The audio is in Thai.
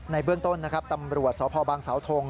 ในเบื้องต้นฯตำรวจสภบังสาวทง